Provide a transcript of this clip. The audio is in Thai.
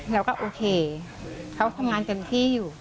เราก็โอเคเขาทำงานเต็มที่อยู่